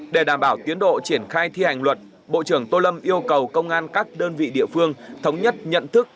để đảm bảo tiến độ triển khai thi hành luật bộ trưởng tô lâm yêu cầu công an các đơn vị địa phương thống nhất nhận thức